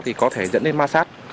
thì có thể dẫn đến massage